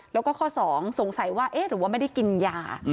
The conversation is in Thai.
แล้วก็ข้อ๒สงสัยว่าเอ๊ะหรือว่าไม่ได้กินยา